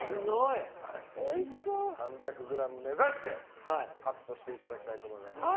３００ｇ目指してカットしていただきたいと思います。